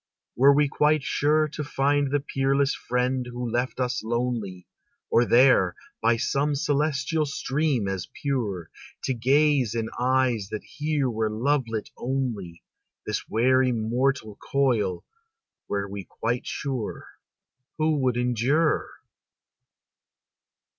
Were we quite sure To find the peerless friend who left us lonely, Or there, by some celestial stream as pure, To gaze in eyes that here were lovelit only, This weary mortal coil, were we quite sure, Who would endure?